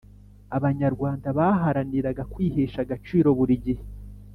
abanyarwanda baharaniraga kwihesha agaciro buri gihe